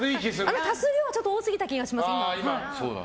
足す量は多すぎた気がします。